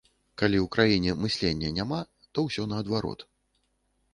Калі ў краіне мыслення няма, то ўсё наадварот.